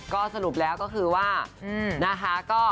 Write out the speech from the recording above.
ก็สรุปแล้วก็คือว่านะคะ